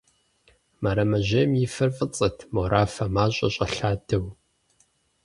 Мэрэмэжьейм и фэр фӀыцӀэт, морафэ мащӀэ щӀэлъадэу.